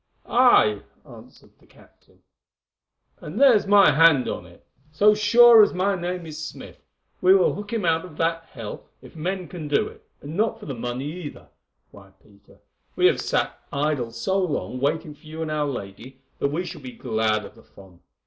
"Aye," answered the captain, "and there's my hand on it. So sure as my name is Smith, we will hook him out of that hell if men can do it, and not for the money either. Why, Peter, we have sat here idle so long, waiting for you and our lady, that we shall be glad of the fun.